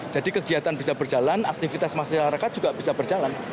kegiatan bisa berjalan aktivitas masyarakat juga bisa berjalan